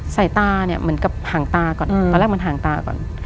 สายตาเนี่ยเหมือนกับห่างตาก่อนตอนแรกมันห่างตาก่อน